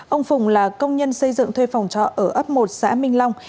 ông phùng là công nhân xây dựng thuê phòng trọ ở ấp một xã minh long